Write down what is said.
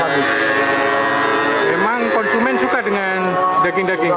memang konsumen suka dengan daging daging